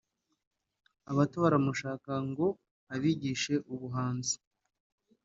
abato baramushaka ngo abigishe ubuhanzi